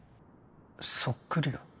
そっくりだ